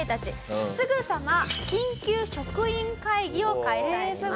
すぐさま緊急職員会議を開催します。